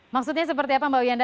maksudnya seperti apa mbak wiyanda